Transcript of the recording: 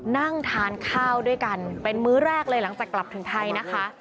นั่งทานข้าวด้วยกันเป็นมื้อแรกเลยหลังจากกลับถึงไทยนะคะ